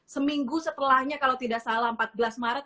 seminggu setelahnya kalau tidak salah empat belas maret